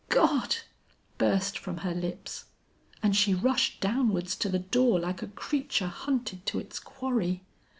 "'God!' burst from her lips, and she rushed downwards to the door like a creature hunted to its quarry.